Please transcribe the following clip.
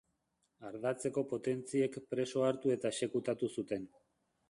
Ardatzeko potentziek preso hartu eta exekutatu zuten.